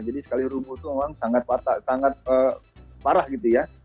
jadi sekali rumah itu memang sangat parah gitu ya